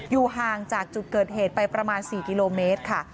อยู่ห่างจากจุดเกิดเหตุไปประมาณ๔กิโลเมตรค่ะ